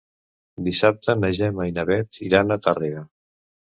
Dissabte na Gemma i na Bet iran a Tàrrega.